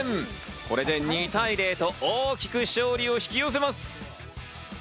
これで２対０と大きく勝利を引き寄せます。